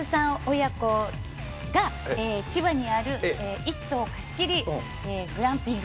親子が、千葉にある１棟貸し切りグランピング。